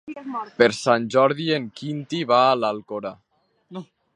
Per Sant Jordi en Quintí va a l'Alcora.